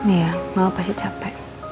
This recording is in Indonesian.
iya mama pasti capek